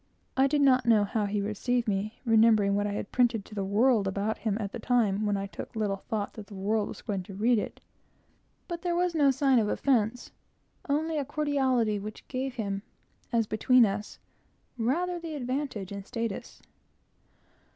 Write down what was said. I did not know how he would receive me, remembering what I had printed to the world about him at a time when I took little thought that the world was going to read it; but there was no sign of offence, only cordiality which gave him, as between us, rather the advantage in status.